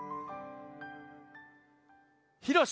ひろし。